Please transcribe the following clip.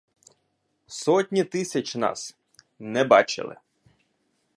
Сотні тисяч нас: не бачили.